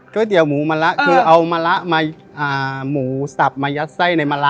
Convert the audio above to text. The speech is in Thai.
ก๋วยเตี๋ยวหมูมะระคือเอาหมูสับมายัดไส้ในมะระ